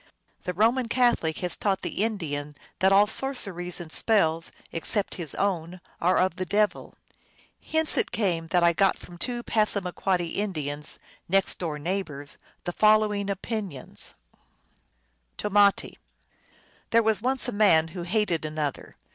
The Roman Catholic has taught the Indian that all sorceries and spells except his own are of the devil. Hence it came that I got from two Passama quoddy Indians, next door neighbors, the following opinions : Tomati. " There was once a man who hated an other.